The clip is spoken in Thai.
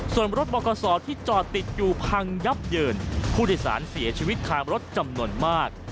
ส่วนรถบกศที่จอดติดอยู่พังยับเยินผู้โดยสารเสียชีวิตคารถจำนวนมาก